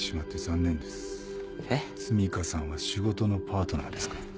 澄香さんは仕事のパートナーですか？